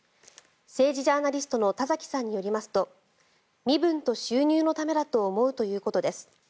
政治ジャーナリストの田崎さんによりますと身分と収入のためだと思うということです。